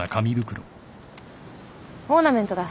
オーナメントだ。